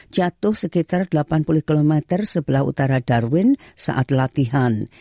jatuh sekitar delapan puluh km sebelah utara darwin saat latihan